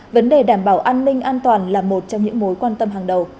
vấn đề đảm bảo an ninh an toàn là một trong những mối quan tâm hàng đầu